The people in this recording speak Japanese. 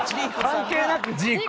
関係なくジーコ？